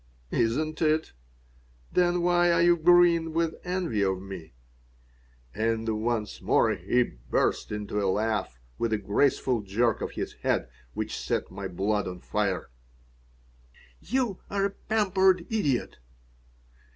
"Isn't it? Then why are you green with envy of me?" And once more he burst into a laugh, with a graceful jerk of his head which set my blood on fire "You're a pampered idiot."